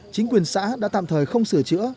chính quyền xã đã tạm thời không sửa chữa